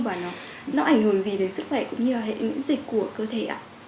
và nó ảnh hưởng gì đến sức khỏe cũng như hệ nguyễn dịch của cơ thể